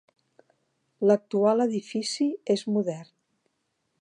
L'actual edifici és modern.